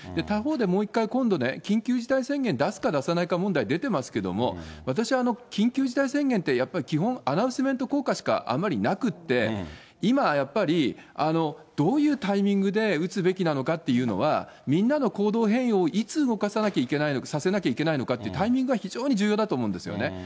他方でもう一回、今度、緊急事態宣言出すか出さないか問題出てますけど、私は緊急事態宣言って、やっぱり基本、アナウンスメント効果しかあまりなくって、今、やっぱり、どういうタイミングで打つべきなのかっていうのは、みんなの行動変容をいつ動かさなきゃ、させなきゃいけないのかっていうタイミングは、非常に重要だと思うんですよね。